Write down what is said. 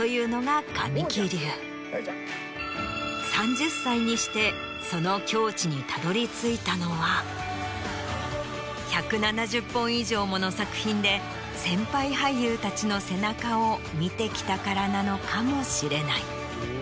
３０歳にしてその境地にたどり着いたのは１７０本以上もの作品で先輩俳優たちの背中を見てきたからなのかもしれない。